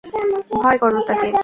ভয় কর তাঁকে।